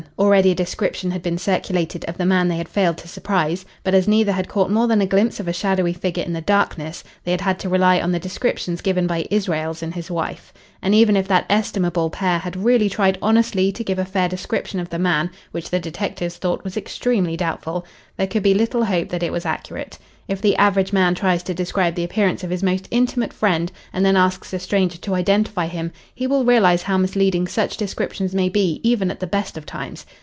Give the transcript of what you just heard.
Already a description had been circulated of the man they had failed to surprise; but as neither had caught more than a glimpse of a shadowy figure in the darkness, they had had to rely on the descriptions given by Israels and his wife. And even if that estimable pair had really tried honestly to give a fair description of the man which the detectives thought was extremely doubtful there could be little hope that it was accurate. If the average man tries to describe the appearance of his most intimate friend and then asks a stranger to identify him, he will realise how misleading such descriptions may be even at the best of times.